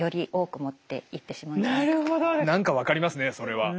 何か分かりますねそれは。